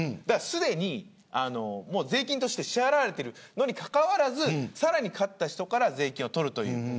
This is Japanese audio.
すでに税金として支払われているのにもかかわらずさらに勝った人から税金をとる。